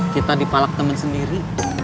kita dipalak temen sendiri